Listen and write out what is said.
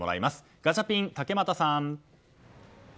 ガチャピン、竹俣さん！